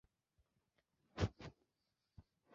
The town played a role in the Battle of Killmallock.